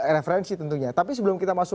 referensi tentunya tapi sebelum kita masuk